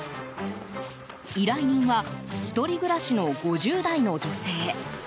依頼人は１人暮らしの５０代の女性。